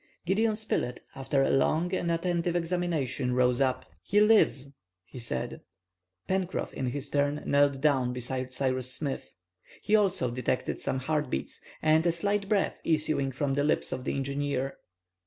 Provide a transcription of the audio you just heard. Gideon Spilett, after a long and attentive examination, rose up. "He lives!" he said. Pencroff, in his turn, knelt down beside Cyrus Smith; he also detected some heartbeats, and a slight breath issuing from the lips of the engineer.